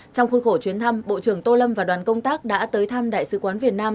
trong khuôn khổ chuyến thăm bộ trưởng tô lâm và đoàn công tác đã tới thăm đại sứ quán việt nam